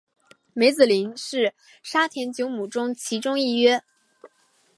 梅子林是沙田九约中其中一约。